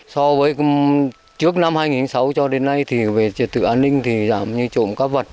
so với trước năm hai nghìn sáu cho đến nay thì về trật tự an ninh thì giảm như trộm cắp vật